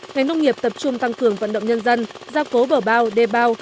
ngành nông nghiệp tập trung tăng cường vận động nhân dân gia cố bờ bao đê bao